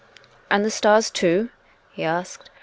379 " And the stars, too ?" he asked.